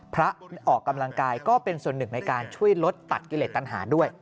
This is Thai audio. พระออกกำลังกายก็เป็นส่วนหนึ่งในการช่วยลดตัดกิเลสตัญหาด้วย